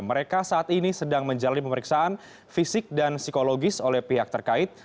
mereka saat ini sedang menjalani pemeriksaan fisik dan psikologis oleh pihak terkait